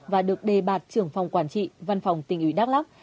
và được đề bạt trưởng phòng quản trị văn phòng tỉnh ủy đắk lắc